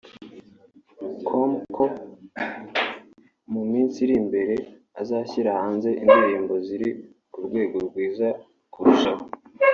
com ko mu minsi iri imbere azashyira hanze izindi ndirimbo ziri ku rwego rwiza kurushaho